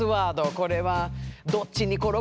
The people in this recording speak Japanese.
これはどっちに転ぶかな？